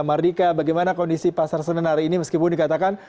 mardika bagaimana kondisi pasar senen hari ini meskipun dikatakan